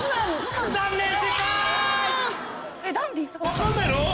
分かんないの？